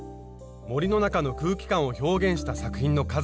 森の中の空気感を表現した作品の数々。